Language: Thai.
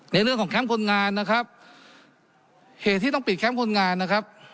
ในเรื่องของแคมป์คนงานนะครับเหตุที่ต้องปิดแคมป์คนงานนะครับ